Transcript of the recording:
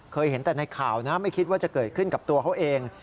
เห็นแต่ในข่าวนะไม่คิดว่าจะเกิดขึ้นกับตัวเขาเอง